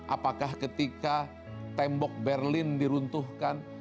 apakah ketika tembok berlin diruntuhkan